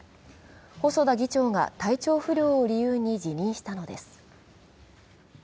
細田議長が体調不良を理由に辞任したのです。